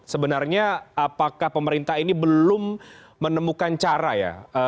sebenarnya apakah pemerintah ini belum menemukan cara ya